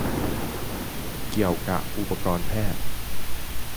เกี่ยวกะอุปกรณ์แพทย์ ?